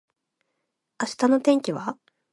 明日の天気は？